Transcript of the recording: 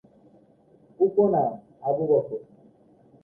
উপনাম: আবু বকর।